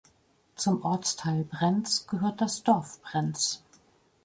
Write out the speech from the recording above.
Zum Ortsteil Brenz gehört das Dorf Brenz.